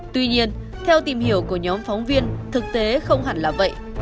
tuy nhiên theo tìm hiểu của nhóm phóng viên thực tế không hẳn là vậy